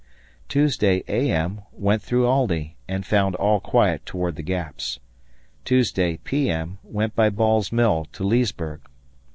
Tuesday, A.M., went through Aldie, and found all quiet toward the Gaps. Tuesday, P.M., went by Ball's Mill to Leesburg.